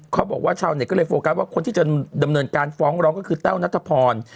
ชาวเน็ตก็เลยโฟกัสว่าคนที่จะดำเนินการฟ้องร้องก็คือแต้วนัทพร